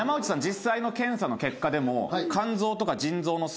実際の検査の結果でも。